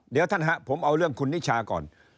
เดี๋ยวท่านฮะผมเอาเรื่องคุณนิชาก่อน